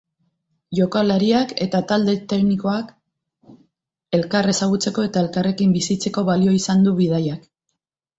Jokalariak eta talde tenikoak elkar ezagutzeko eta elkarrekin bizitzeko balio izan du bidaiak.